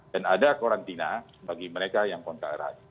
dan ada karantina bagi mereka yang kontak erat